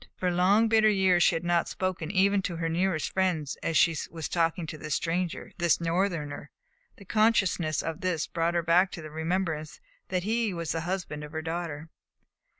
For long, bitter years she had not spoken even to her nearest friends as she was talking to this stranger, this Northerner. The consciousness of this brought her back to the remembrance that he was the husband of her daughter.